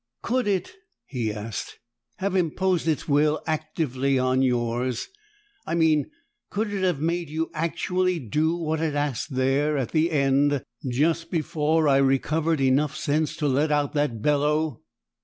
"Could it," he asked, "have imposed its will actively on yours? I mean, could it have made you actually do what it asked there at the end, just before I recovered enough sense to let out that bellow?"